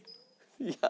いや。